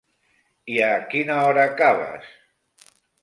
I a quina hora acabes?